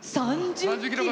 ３０キロ！